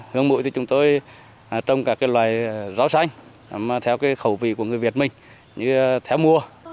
hướng mũi thì chúng tôi trồng cả các loại rau xanh theo cái khẩu vị của người việt mình như theo mùa